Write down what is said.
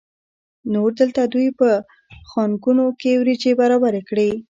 نور دلته دوی په خانکونو کې وریجې برابرې کړې.